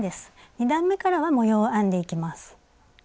２段めからは模様を編んでいきます。